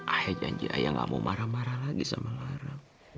akhirnya janji ayah gak mau marah marah lagi sama larang